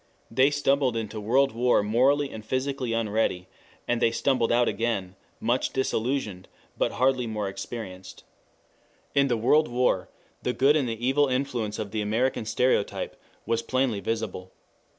They stumbled into the World War morally and physically unready, and they stumbled out again, much disillusioned, but hardly more experienced. In the World War the good and the evil influence of the American stereotype was plainly visible.